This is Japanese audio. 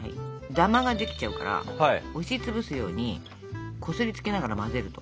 ダマができちゃうから押し潰すようにこすりつけながら混ぜると。